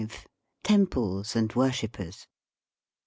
TEMPLES AND WORSHIPPERS.